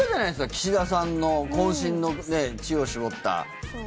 岸田さんのこん身の知恵を絞った。